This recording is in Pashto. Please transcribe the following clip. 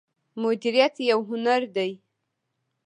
میریت یو هنر دی